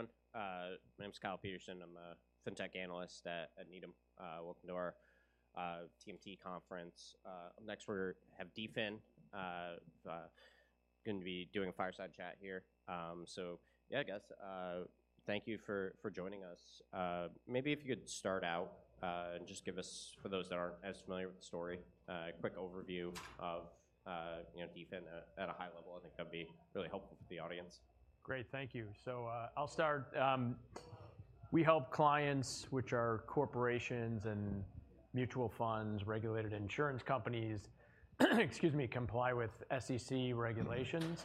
Everyone, my name's Kyle Peterson. I'm a fintech analyst at Needham. Welcome to our TMT conference. Up next, we're have DFIN going to be doing a fireside chat here. So yeah, I guess, thank you for joining us. Maybe if you could start out, and just give us, for those that aren't as familiar with the story, a quick overview of, you know, DFIN at a high level, I think that'd be really helpful for the audience. Great, thank you. So, I'll start. We help clients, which are corporations and mutual funds, regulated insurance companies, excuse me, comply with SEC regulations.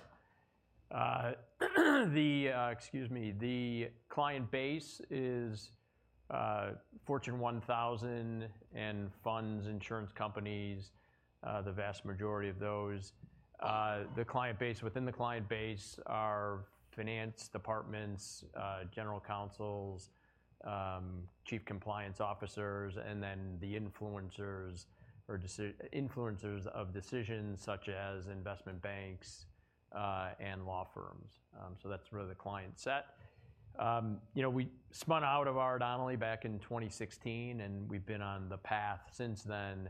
The client base is Fortune 1000 and funds insurance companies, the vast majority of those. The client base, within the client base are finance departments, general counsels, chief compliance officers, and then the influencers, or decision influencers of decisions such as investment banks, and law firms. So that's really the client set. You know, we spun out of R.R. Donnelley back in 2016, and we've been on the path since then,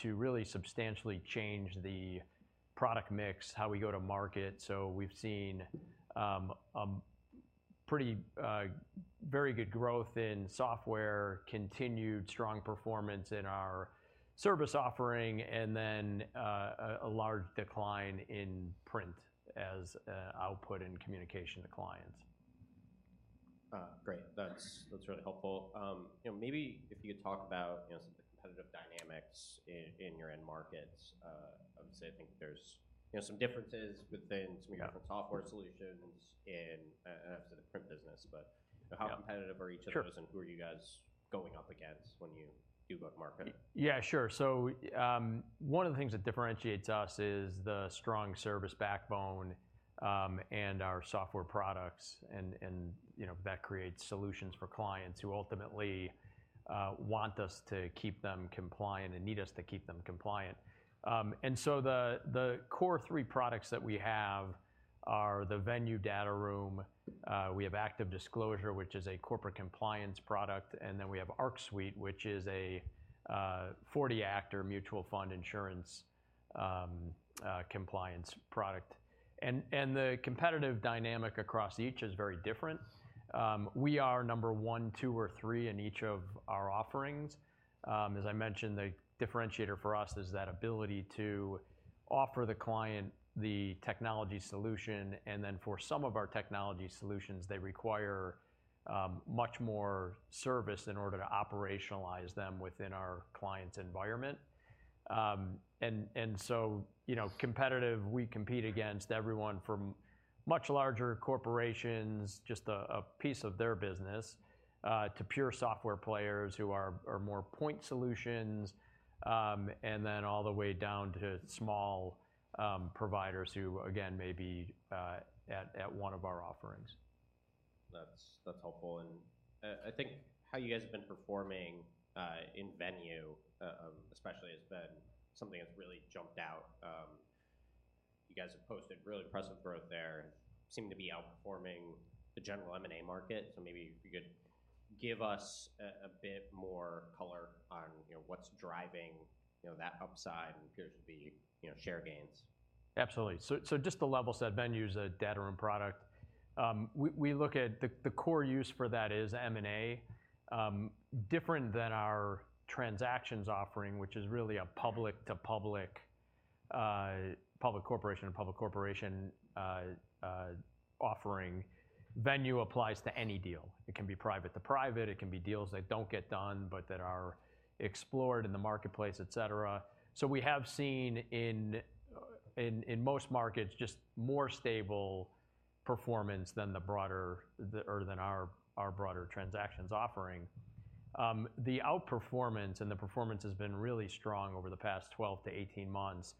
to really substantially change the product mix, how we go to market. So we've seen pretty very good growth in software, continued strong performance in our service offering, and then a large decline in print as output and communication to clients. Great. That's really helpful. You know, maybe if you could talk about, you know, some of the competitive dynamics in your end markets. Obviously, I think there's, you know, some differences within some- Yeah.... different software solutions in the print business, but- Yeah.... how competitive are each of those? Sure. And who are you guys going up against when you do go to market? Yeah, sure. So, one of the things that differentiates us is the strong service backbone and our software products, and you know, that creates solutions for clients who ultimately want us to keep them compliant and need us to keep them compliant. And so the core three products that we have are the Venue data room, we have ActiveDisclosure, which is a corporate compliance product, and then we have ArcSuite, which is a 40 Act mutual fund insurance compliance product. And the competitive dynamic across each is very different. We are number one, two, or three in each of our offerings. As I mentioned, the differentiator for us is that ability to offer the client the technology solution, and then for some of our technology solutions, they require much more service in order to operationalize them within our client's environment. And so, you know, competitively, we compete against everyone from much larger corporations, just a piece of their business, to pure software players who are more point solutions, and then all the way down to small providers who, again, may be at one of our offerings. That's, that's helpful, and, I think how you guys have been performing, in Venue, especially has been something that's really jumped out. You guys have posted really impressive growth there and seem to be outperforming the general M&A market. So maybe if you could give us a bit more color on, you know, what's driving, you know, that upside and appears to be, you know, share gains. Absolutely. So just to level set, Venue's a data room product. We look at the core use for that is M&A. Different than our transactions offering, which is really a public to public, public corporation to public corporation, offering. Venue applies to any deal. It can be private to private, it can be deals that don't get done but that are explored in the marketplace, et cetera. So we have seen in most markets just more stable performance than the broader or than our broader transactions offering. The outperformance and the performance has been really strong over the past 12-18 months.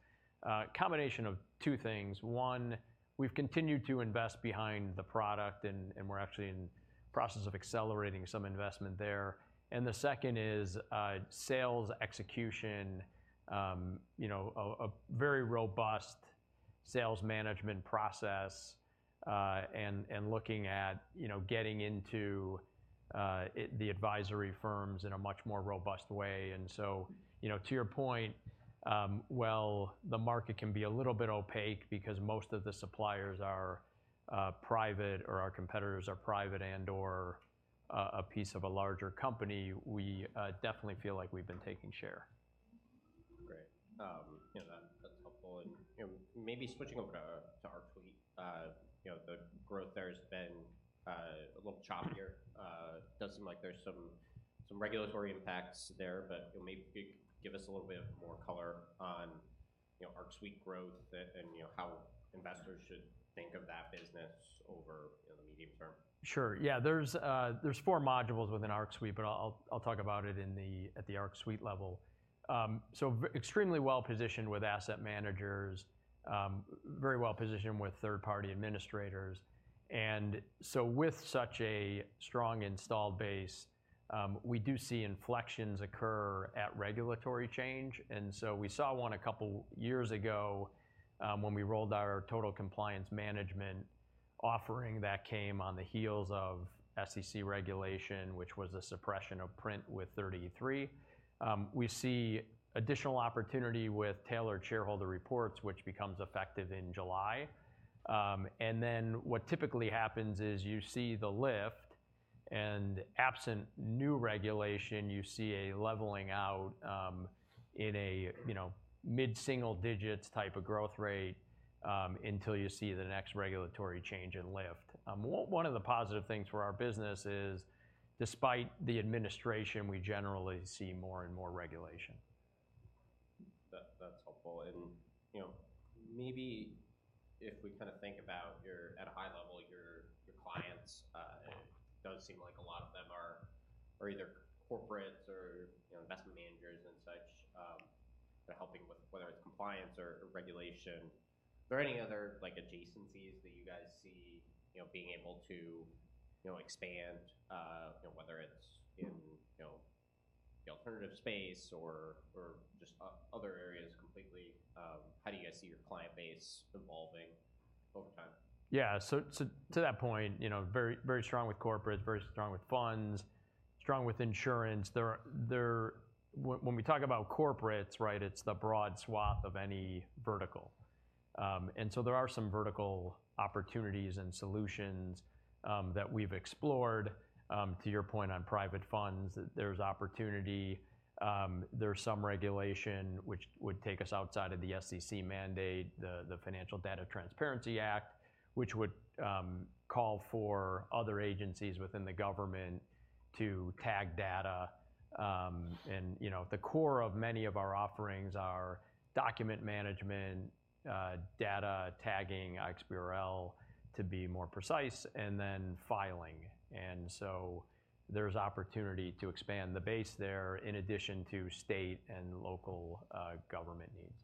Combination of two things: one, we've continued to invest behind the product, and we're actually in the process of accelerating some investment there. And the second is sales execution. You know, a very robust sales management process and looking at, you know, getting into it, the advisory firms in a much more robust way. And so, you know, to your point, while the market can be a little bit opaque because most of the suppliers are private or our competitors are private and/or a piece of a larger company, we definitely feel like we've been taking share. Great. You know, that's, that's helpful. You know, maybe switching over to ArcSuite, you know, the growth there has been a little choppier. Does seem like there's some regulatory impacts there, but, you know, maybe give us a little bit of more color on, you know, ArcSuite growth that, and you know, how investors should think of that business over, you know, the medium term? Sure. Yeah, there's 4 modules within ArcSuite, but I'll talk about it in the at the ArcSuite level. Extremely well-positioned with asset managers, very well-positioned with third-party administrators, and so with such a strong installed base, we do see inflections occur at regulatory change, and so we saw one a couple years ago, when we rolled out our Total Compliance Management offering that came on the heels of SEC regulation, which was a suppression of print with 33e-3. We see additional opportunity with tailored shareholder reports, which becomes effective in July. And then what typically happens is you see the lift, and absent new regulation, you see a leveling out in a you know mid-single digits type of growth rate, until you see the next regulatory change and lift. One of the positive things for our business is, despite the administration, we generally see more and more regulation. That, that's helpful. You know, maybe if we kind of think about your, at a high level, your, your clients, it does seem like a lot of them are, are either corporates or, you know, investment managers and such, they're helping with whether it's compliance or, or regulation. Are there any other, like, adjacencies that you guys see, you know, being able to, you know, expand, you know, whether it's in, you know, the alternative space or, or just other areas completely? How do you guys see your client base evolving over time? Yeah. So to that point, you know, very, very strong with corporates, very strong with funds, strong with insurance. There are... When we talk about corporates, right? It's the broad swath of any vertical. And so there are some vertical opportunities and solutions that we've explored. To your point on private funds, there's opportunity, there's some regulation which would take us outside of the SEC mandate, the Financial Data Transparency Act, which would call for other agencies within the government to tag data. And, you know, the core of many of our offerings are document management, data tagging, XBRL, to be more precise, and then filing. And so there's opportunity to expand the base there, in addition to state and local government needs.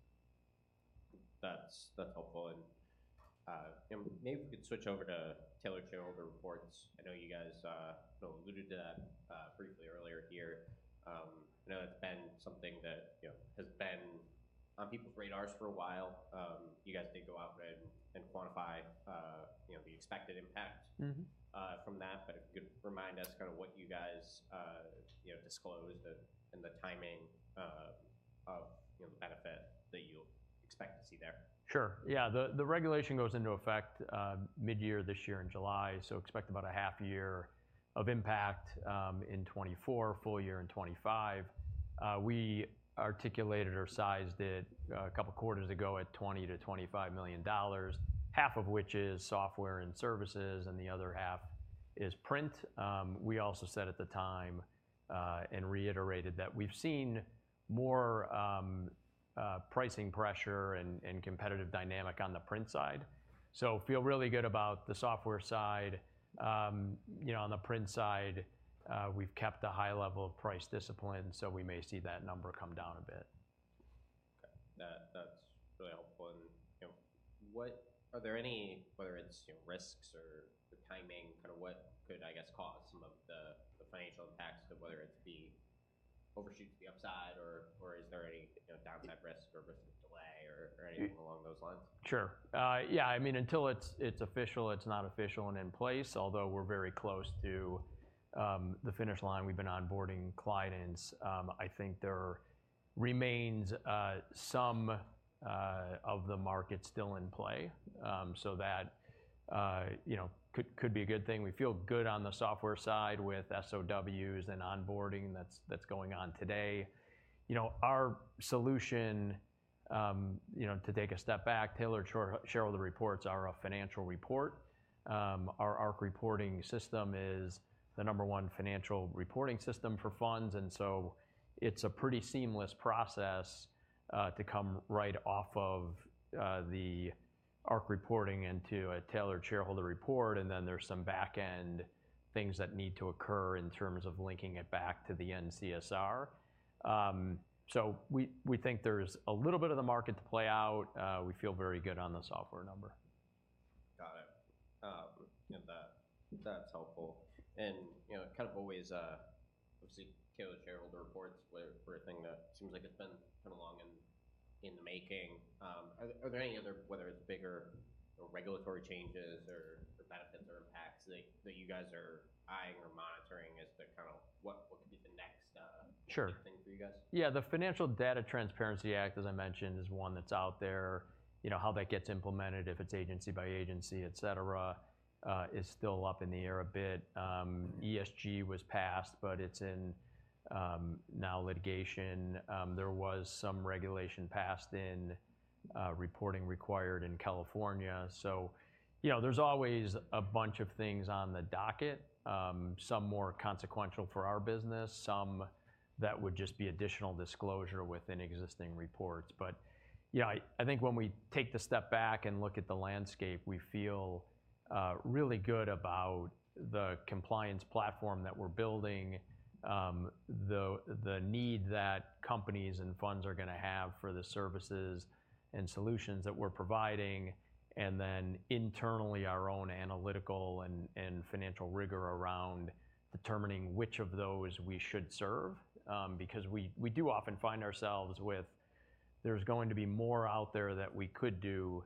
That's, that's helpful. And, you know, maybe we could switch over to Tailored Shareholder Reports. I know you guys, sort of alluded to that, briefly earlier here. I know that's been something that, you know, has been on people's radars for a while. You guys did go out and quantify, you know, the expected impact- Mm-hmm.... from that. But if you could remind us kind of what you guys, you know, disclosed and the timing of, you know, the benefit that you expect to see there? Sure. Yeah. The regulation goes into effect midyear this year in July, so expect about a half year of impact in 2024, full year in 2025. We articulated or sized it a couple of quarters ago at $20 million-$25 million, half of which is software and services, and the other half is print. We also said at the time and reiterated that we've seen more pricing pressure and competitive dynamic on the print side. So feel really good about the software side. You know, on the print side, we've kept a high level of price discipline, so we may see that number come down a bit. Okay. That's really helpful. And, you know, what are there any, whether it's, you know, risks or the timing, kind of what could, I guess, cause some of the financial impacts of whether it's being overshoot to the upside, or is there any, you know, downside risk or risk of delay, or anything along those lines? Sure. Yeah, I mean, until it's official, it's not official and in place, although we're very close to the finish line. We've been onboarding clients. I think there remains some of the market still in play. So that you know could be a good thing. We feel good on the software side with SOWs and onboarding that's going on today. You know, our solution, you know, to take a step back, Tailored Shareholder Reports are a financial report. Our ArcReporting system is the number one financial reporting system for funds, and so it's a pretty seamless process to come right off of the ArcReporting into a tailored shareholder report, and then there's some back end things that need to occur in terms of linking it back to the N-CSR. So we think there's a little bit of the market to play out. We feel very good on the software number. Got it. Yeah, that's helpful. And, you know, kind of always, obviously, tailored shareholder reports were a thing that seems like it's been kind of long in the making. Are there any other, whether it's bigger or regulatory changes or the benefits or impacts that you guys are eyeing or monitoring as the kind of what could be the next? Sure.... big thing for you guys? Yeah. The Financial Data Transparency Act, as I mentioned, is one that's out there. You know, how that gets implemented, if it's agency by agency, et cetera, is still up in the air a bit. ESG was passed, but it's in, now litigation. There was some regulation passed in, reporting required in California. So, you know, there's always a bunch of things on the docket, some more consequential for our business, some that would just be additional disclosure within existing reports. But yeah, I think when we take the step back and look at the landscape, we feel really good about the compliance platform that we're building, the need that companies and funds are gonna have for the services and solutions that we're providing, and then internally, our own analytical and financial rigor around determining which of those we should serve. Because we do often find ourselves with-... there's going to be more out there that we could do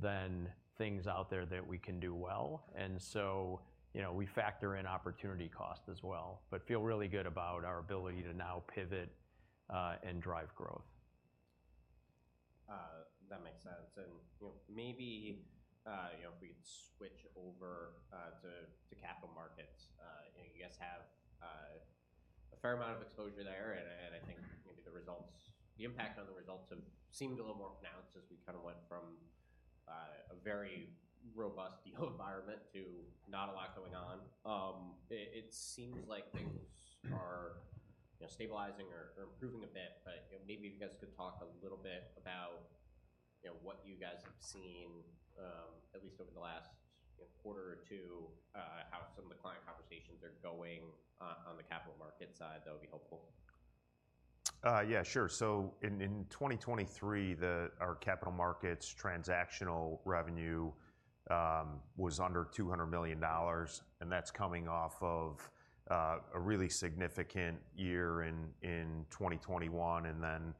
than things out there that we can do well. And so, you know, we factor in opportunity cost as well, but feel really good about our ability to now pivot, and drive growth. That makes sense. And, you know, maybe, you know, if we could switch over to capital markets. You guys have a fair amount of exposure there, and I think maybe the results—the impact on the results have seemed a little more pronounced as we kind of went from a very robust deal environment to not a lot going on. It seems like things are, you know, stabilizing or improving a bit. But, you know, maybe you guys could talk a little bit about, you know, what you guys have seen, at least over the last quarter or two, how some of the client conversations are going on the capital market side. That would be helpful. Yeah, sure. So in 2023, our capital markets transactional revenue was under $200 million, and that's coming off of a really significant year in 2021, and then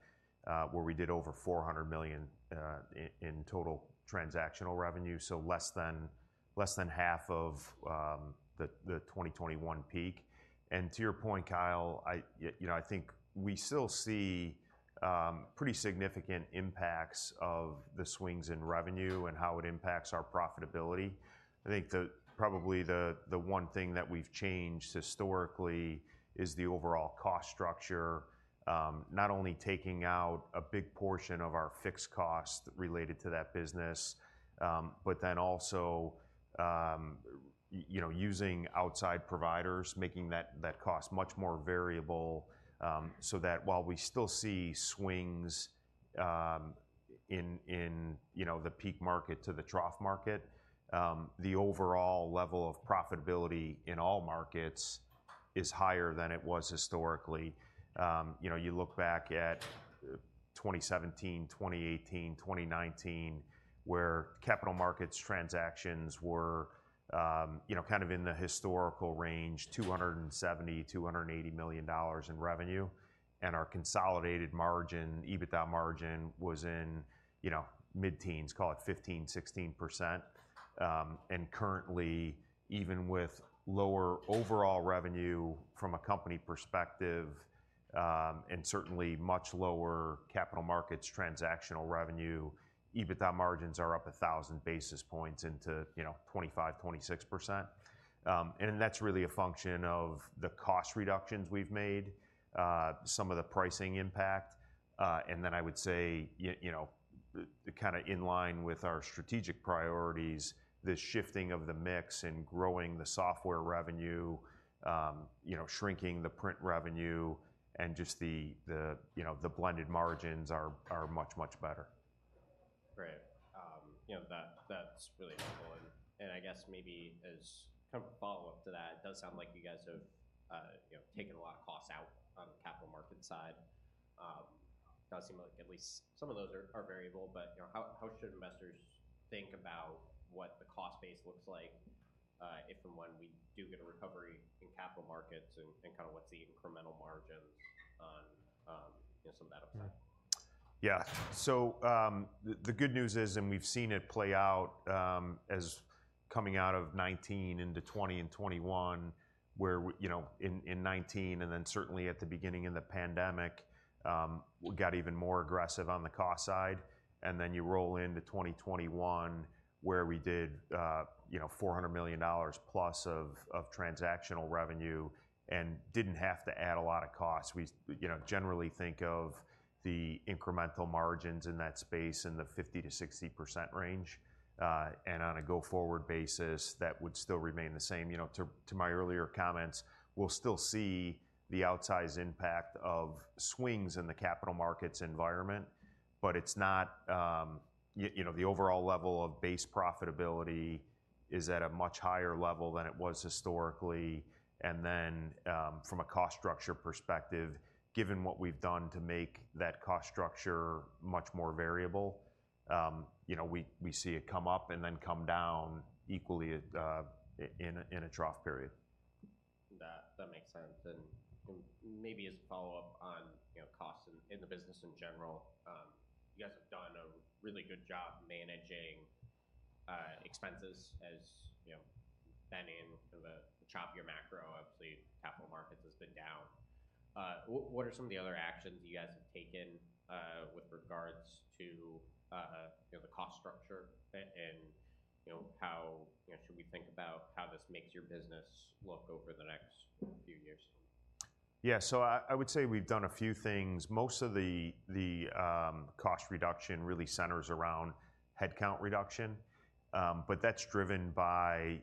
where we did over $400 million in total transactional revenue, so less than half of the 2021 peak. And to your point, Kyle, you know, I think we still see pretty significant impacts of the swings in revenue and how it impacts our profitability. I think probably the one thing that we've changed historically is the overall cost structure. Not only taking out a big portion of our fixed cost related to that business, but then also you know, using outside providers, making that cost much more variable. So that while we still see swings, in you know, the peak market to the trough market, the overall level of profitability in all markets is higher than it was historically. You know, you look back at 2017, 2018, 2019, where capital markets transactions were, you know, kind of in the historical range, $270-$280 million in revenue. And our consolidated margin, EBITDA margin, was in, you know, mid-teens, call it 15%-16%. And currently, even with lower overall revenue from a company perspective, and certainly much lower capital markets transactional revenue, EBITDA margins are up 1000 basis points into, you know, 25%-26%. And that's really a function of the cost reductions we've made, some of the pricing impact, and then I would say, you know, kinda in line with our strategic priorities, the shifting of the mix and growing the software revenue, you know, shrinking the print revenue, and just, you know, the blended margins are much, much better. Great. You know, that, that's really helpful. And, and I guess maybe as kind of a follow-up to that, it does sound like you guys have, you know, taken a lot of costs out on the capital market side. Does seem like at least some of those are, are variable, but, you know, how, how should investors think about what the cost base looks like, if and when we do get a recovery in capital markets and, and kind of what's the incremental margins on, you know, some of that upfront? Yeah. So, the good news is, and we've seen it play out, as coming out of 2019 into 2020 and 2021, where you know, in, in 2019 and then certainly at the beginning of the pandemic, we got even more aggressive on the cost side. And then you roll into 2021, where we did, you know, $400 million plus of transactional revenue and didn't have to add a lot of costs. We, you know, generally think of the incremental margins in that space in the 50%-60% range. And on a go-forward basis, that would still remain the same. You know, to my earlier comments, we'll still see the outsized impact of swings in the capital markets environment, but it's not, you know, the overall level of base profitability is at a much higher level than it was historically. And then, from a cost structure perspective, given what we've done to make that cost structure much more variable, you know, we see it come up and then come down equally, in a trough period. That makes sense. And maybe as a follow-up on, you know, costs in the business in general, you guys have done a really good job managing expenses as you know been in the choppier macro. Obviously, capital markets has been down. What are some of the other actions you guys have taken with regards to, you know, the cost structure? And, you know, how, you know, should we think about how this makes your business look over the next few years? Yeah, so I would say we've done a few things. Most of the cost reduction really centers around headcount reduction. But that's driven by,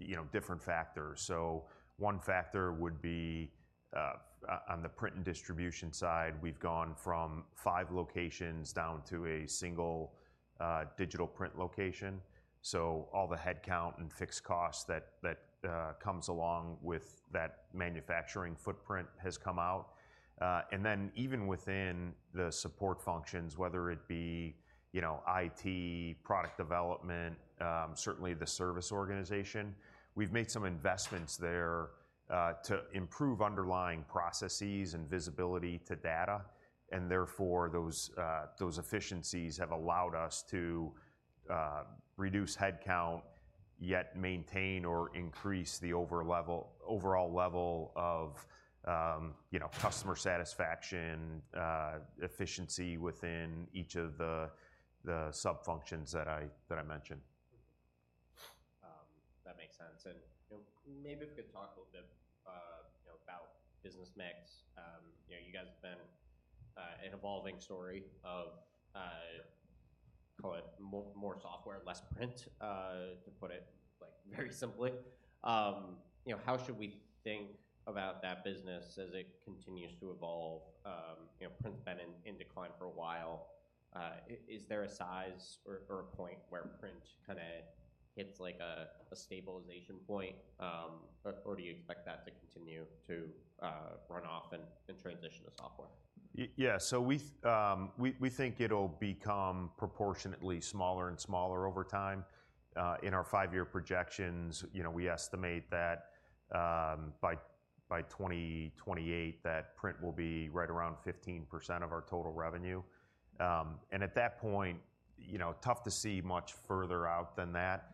you know, different factors. So one factor would be on the print and distribution side, we've gone from five locations down to a single digital print location. So all the headcount and fixed costs that comes along with that manufacturing footprint has come out. And then even within the support functions, whether it be, you know, IT, product development, certainly the service organization, we've made some investments there to improve underlying processes and visibility to data, and therefore those efficiencies have allowed us to reduce headcount, yet maintain or increase the overall level of, you know, customer satisfaction, efficiency within each of the sub-functions that I mentioned. Mm-hmm. That makes sense, and, you know, maybe if we could talk a little bit, you know, about business mix. You know, you guys have been an evolving story of call it more software, less print to put it, like, very simply. You know, how should we think about that business as it continues to evolve? You know, print's been in decline for a while. Is there a size or a point where print kinda hits like a stabilization point? Or do you expect that to continue to run off and transition to software? Yeah, so we think it'll become proportionately smaller and smaller over time. In our five-year projections, you know, we estimate that by 2028, that print will be right around 15% of our total revenue. And at that point, you know, tough to see much further out than that.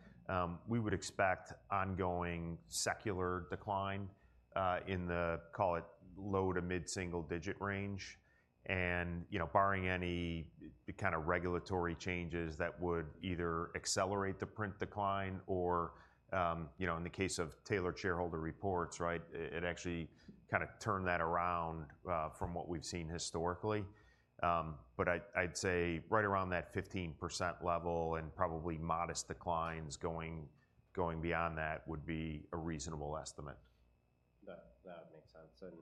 We would expect ongoing secular decline in the, call it, low- to mid-single-digit range. And, you know, barring any kind of regulatory changes that would either accelerate the print decline or, you know, in the case of Tailored Shareholder Reports, right, it actually kinda turned that around from what we've seen historically. But I'd say right around that 15% level and probably modest declines going beyond that would be a reasonable estimate. That, that makes sense.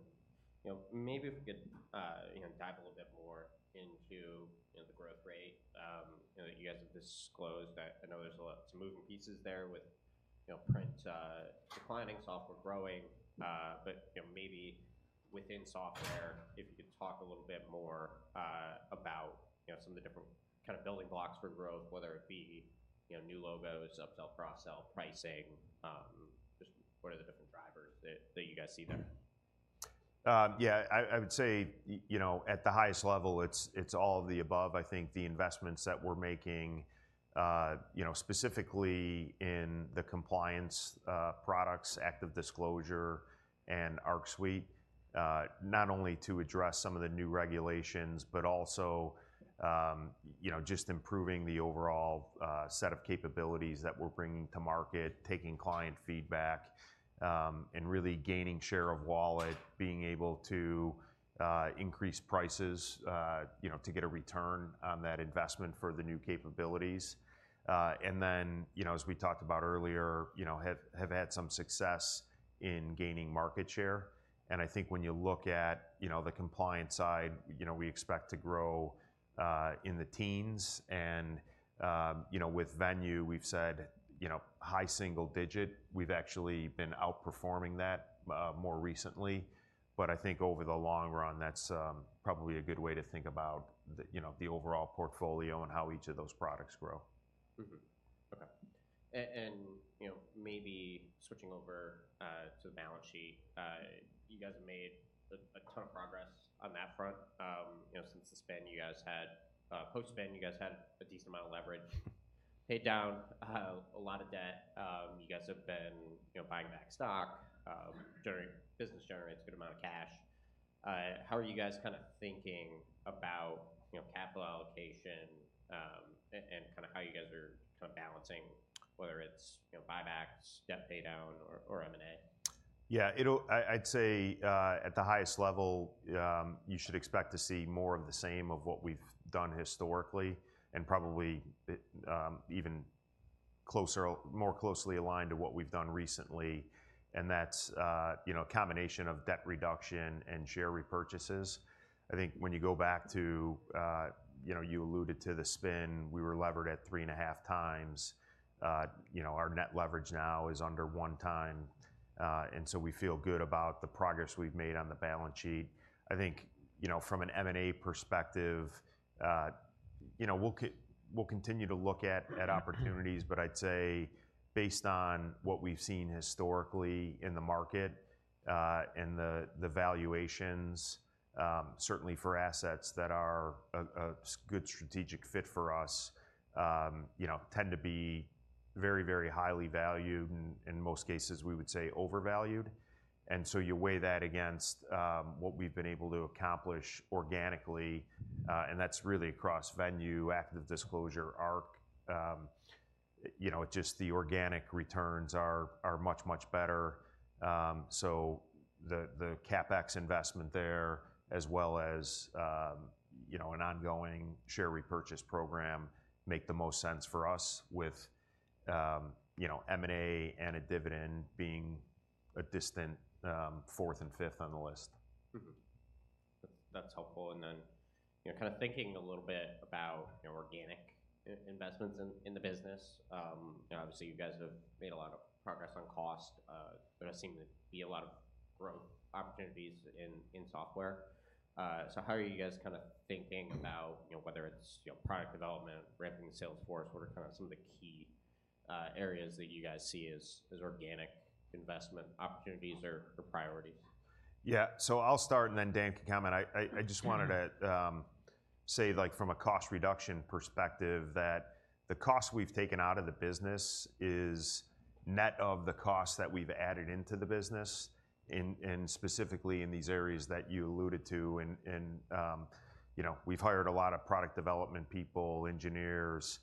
You know, maybe if we could, you know, dive a little bit more into, you know, the growth rate. You know, you guys have disclosed that... I know there's a lot, some moving pieces there with, you know, print, declining, software growing, but, you know, maybe within software, if you could talk a little bit more, about, you know, some of the different kind of building blocks for growth, whether it be, you know, new logos, upsell, cross-sell, pricing. Just what are the different drivers that, that you guys see there? Yeah, I would say, you know, at the highest level, it's all of the above. I think the investments that we're making, you know, specifically in the compliance products, ActiveDisclosure and ArcSuite, not only to address some of the new regulations, but also, you know, just improving the overall set of capabilities that we're bringing to market, taking client feedback, and really gaining share of wallet, being able to increase prices, you know, to get a return on that investment for the new capabilities. And then, you know, as we talked about earlier, you know, have had some success in gaining market share, and I think when you look at, you know, the compliance side, you know, we expect to grow in the teens. You know, with Venue, we've said, you know, high single digit. We've actually been outperforming that more recently, but I think over the long run, that's probably a good way to think about the, you know, the overall portfolio and how each of those products grow. Mm-hmm. Okay. And, you know, maybe switching over to the balance sheet. You guys have made a ton of progress on that front. You know, since the spin, you guys had post-spin, you guys had a decent amount of leverage, paid down a lot of debt. You guys have been, you know, buying back stock. Business generates a good amount of cash. How are you guys kinda thinking about, you know, capital allocation, and kinda how you guys are kinda balancing, whether it's, you know, buybacks, debt paydown, or M&A? Yeah, it'll- I, I'd say, at the highest level, you should expect to see more of the same of what we've done historically, and probably, even closer, more closely aligned to what we've done recently, and that's, you know, a combination of debt reduction and share repurchases. I think when you go back to... You know, you alluded to the spin, we were levered at 3.5x. You know, our net leverage now is under 1x, and so we feel good about the progress we've made on the balance sheet. I think, you know, from an M&A perspective, you know, we'll continue to look at opportunities. But I'd say based on what we've seen historically in the market, and the valuations, certainly for assets that are a good strategic fit for us, you know, tend to be very, very highly valued, and in most cases, we would say overvalued. And so you weigh that against, what we've been able to accomplish organically, and that's really across Venue, ActiveDisclosure, Arc. You know, just the organic returns are much, much better. So the CapEx investment there, as well as, you know, an ongoing share repurchase program, make the most sense for us, with, you know, M&A and a dividend being a distant, fourth and fifth on the list. Mm-hmm. That's, that's helpful. And then, you know, kind of thinking a little bit about organic investments in the business, you know, obviously, you guys have made a lot of progress on cost, but there seem to be a lot of growth opportunities in software. So how are you guys kinda thinking about, you know, whether it's, you know, product development, ramping sales force? What are kinda some of the key areas that you guys see as organic investment opportunities or priorities? Yeah, so I'll start, and then Dan can comment. I just wanted to say, like from a cost reduction perspective, that the cost we've taken out of the business is net of the cost that we've added into the business. And you know, we've hired a lot of product development people, engineers,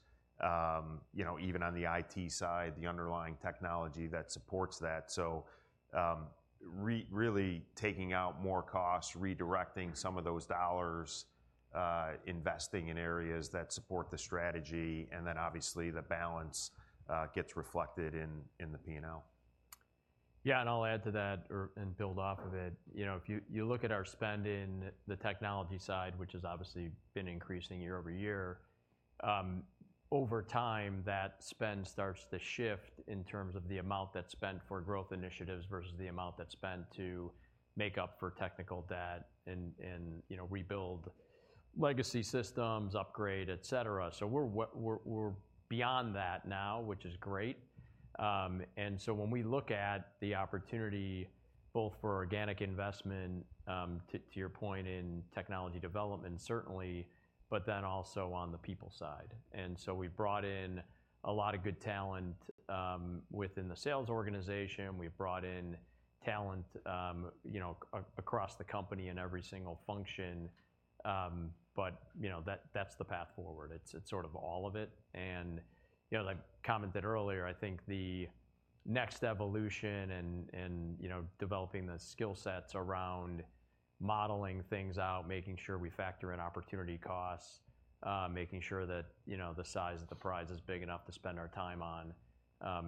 you know, even on the IT side, the underlying technology that supports that. So really taking out more costs, redirecting some of those dollars, investing in areas that support the strategy, and then obviously the balance gets reflected in the P&L. Yeah, and I'll add to that or, and build off of it. You know, if you look at our spend in the technology side, which has obviously been increasing year-over-year, over time, that spend starts to shift in terms of the amount that's spent for growth initiatives versus the amount that's spent to make up for technical debt and, you know, rebuild legacy systems, upgrade, et cetera. So we're beyond that now, which is great. And so when we look at the opportunity, both for organic investment, to your point, in technology development, certainly, but then also on the people side. And so we've brought in a lot of good talent within the sales organization. We've brought in talent, you know, across the company in every single function. But you know, that, that's the path forward. It's sort of all of it. And, you know, like I commented earlier, I think the next evolution and, you know, developing the skill sets around modeling things out, making sure we factor in opportunity costs, making sure that, you know, the size of the prize is big enough to spend our time on.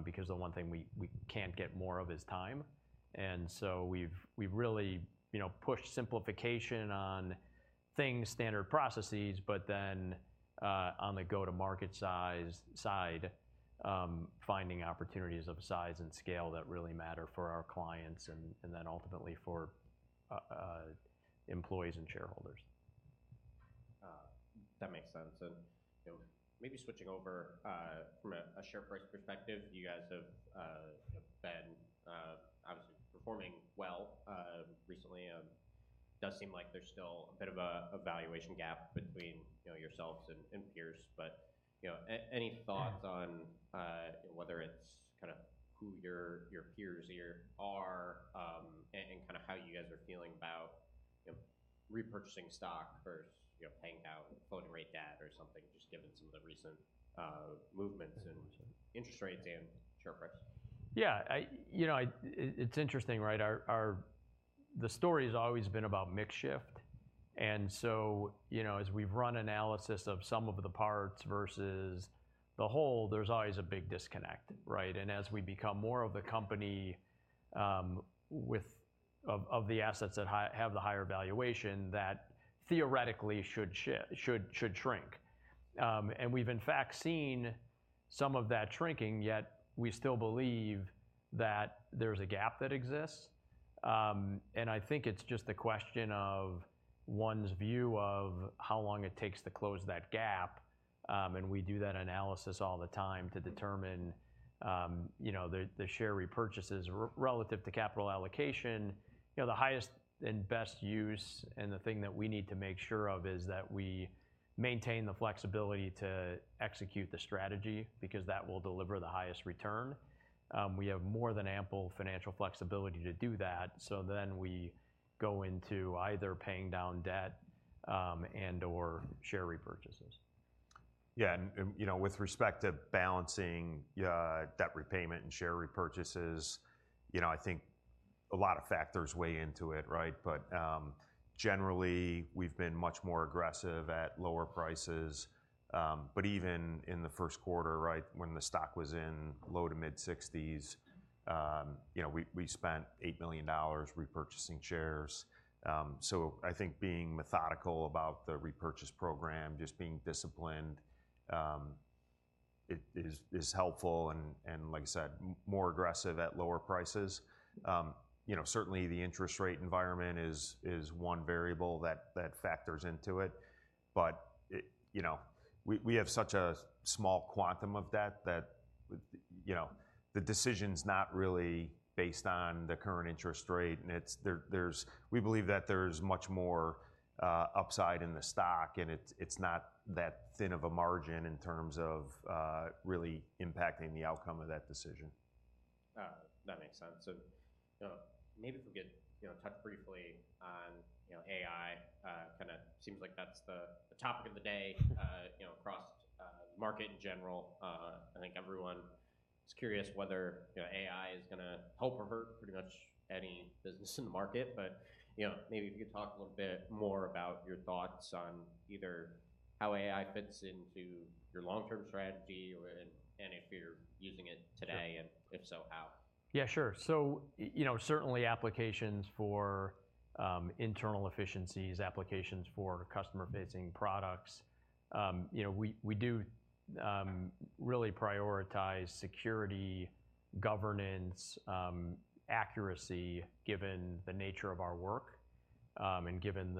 Because the one thing we can't get more of is time, and so we've really, you know, pushed simplification on things, standard processes, but then on the go-to-market-size side, finding opportunities of size and scale that really matter for our clients and, and then ultimately for employees and shareholders. That makes sense. So, you know, maybe switching over from a share price perspective, you guys have been obviously performing well recently. Does seem like there's still a bit of a valuation gap between, you know, yourselves and peers. But, you know, any thoughts on whether it's kind of who your peers are and kind of how you guys are feeling about, you know, repurchasing stock versus, you know, paying down floating rate debt or something, just given some of the recent movements in interest rates and share price? Yeah, you know, it's interesting, right? Our story's always been about mix shift, and so, you know, as we've run analysis of some of the parts versus the whole, there's always a big disconnect, right? And as we become more of the company with of the assets that have the higher valuation, that theoretically should shrink. And we've in fact seen some of that shrinking, yet we still believe that there's a gap that exists. And I think it's just a question of one's view of how long it takes to close that gap, and we do that analysis all the time to determine, you know, the share repurchases relative to capital allocation. You know, the highest and best use, and the thing that we need to make sure of, is that we maintain the flexibility to execute the strategy, because that will deliver the highest return. We have more than ample financial flexibility to do that, so then we go into either paying down debt, and/or share repurchases. Yeah, and you know, with respect to balancing debt repayment and share repurchases, you know, I think a lot of factors weigh into it, right? But generally, we've been much more aggressive at lower prices. But even in the first quarter, right, when the stock was in the low-to-mid 60s, you know, we spent $8 million repurchasing shares. So I think being methodical about the repurchase program, just being disciplined, it is helpful and like I said, more aggressive at lower prices. You know, certainly the interest rate environment is one variable that factors into it, but it... You know, we have such a small quantum of debt that, you know, the decision's not really based on the current interest rate, and it's there, there's. We believe that there's much more upside in the stock, and it's not that thin of a margin in terms of really impacting the outcome of that decision. That makes sense. So, maybe if we could, you know, touch briefly on, you know, AI. Kind of seems like that's the topic of the day, you know, across the market in general. I think everyone is curious whether, you know, AI is gonna help or hurt pretty much any business in the market. But, you know, maybe if you could talk a little bit more about your thoughts on either how AI fits into your long-term strategy or, and, and if you're using it today, and if so, how? Yeah, sure. So, you know, certainly applications for internal efficiencies, applications for customer-facing products, you know, we do really prioritize security, governance, accuracy, given the nature of our work, and given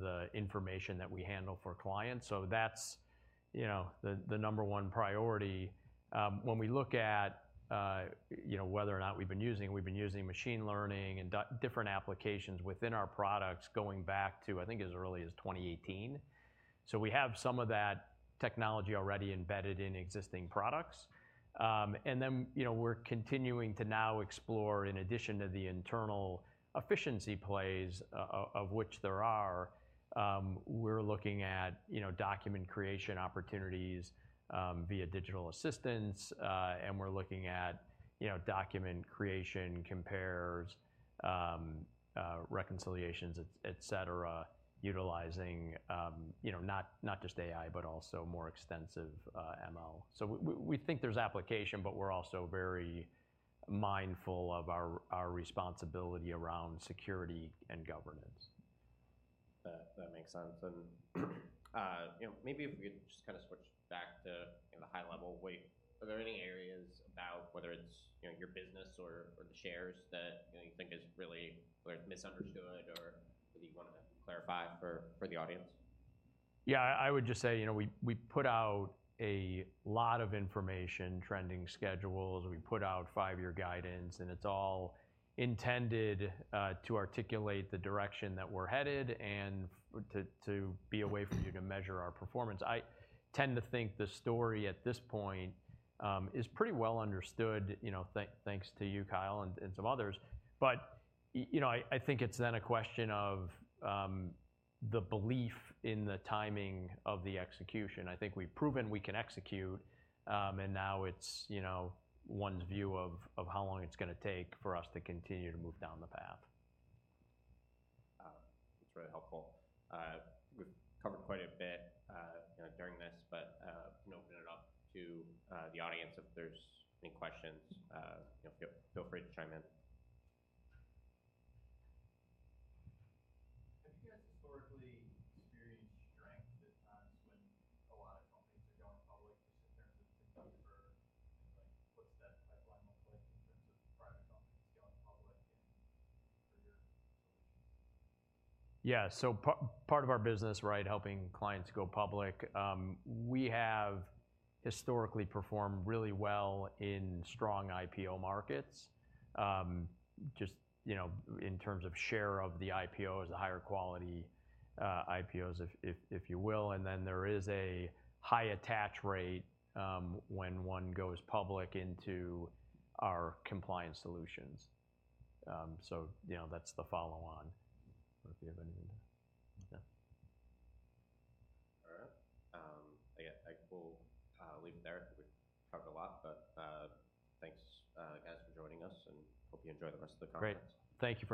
the information that we handle for clients. So that's, you know, the number one priority. When we look at, you know, whether or not we've been using machine learning and different applications within our products, going back to, I think, as early as 2018. So we have some of that technology already embedded in existing products. And then, you know, we're continuing to now explore, in addition to the internal efficiency plays, of which there are, we're looking at, you know, document creation opportunities via digital assistants. And we're looking at, you know, document creation, compares, reconciliations, et cetera, utilizing, you know, not just AI, but also more extensive ML. So we think there's application, but we're also very mindful of our responsibility around security and governance. That makes sense. And, you know, maybe if we could just kinda switch back to, you know, the high level. Wait, are there any areas about whether it's, you know, your business or the shares that, you know, you think is really or misunderstood, or that you wanna clarify for the audience? Yeah, I would just say, you know, we put out a lot of information, trending schedules. We put out five-year guidance, and it's all intended to articulate the direction that we're headed, and to be a way for you to measure our performance. I tend to think the story at this point is pretty well understood, you know, thanks to you, Kyle, and some others. But you know, I think it's then a question of the belief in the timing of the execution. I think we've proven we can execute, and now it's, you know, one's view of how long it's gonna take for us to continue to move down the path. That's really helpful. We've covered quite a bit, you know, during this, but, you know, open it up to the audience if there's any questions. You know, feel free to chime in. Have you guys historically experienced strength at times when a lot of companies are going public, just in terms of conduct or, like, what's that pipeline look like in terms of private companies going public and for your solution? Yeah. So part of our business, right, helping clients go public, we have historically performed really well in strong IPO markets. Just, you know, in terms of share of the IPOs, the higher quality IPOs, if you will, and then there is a high attach rate when one goes public into our compliance solutions. So, you know, that's the follow on. I don't know if you have anything to... Yeah. All right. I guess we'll leave it there. We've covered a lot, but thanks, guys, for joining us, and hope you enjoy the rest of the conference. Great. Thank you for-